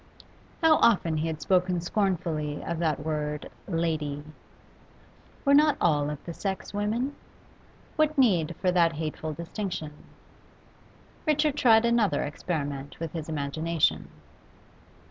How often he had spoken scornfully of that word 'lady'! Were not all of the sex women? What need for that hateful distinction? Richard tried another experiment with his imagination.